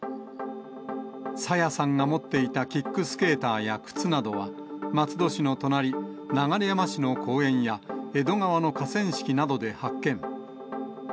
朝芽さんが持っていたキックスケーターや靴などは、松戸市の隣、流山市の公園や、江戸川の河川敷などで発見。